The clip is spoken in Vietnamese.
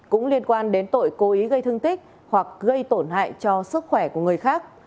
cũng liên quan đến tội cố ý gây thương tích hoặc gây tổn hại cho sức khỏe của người khác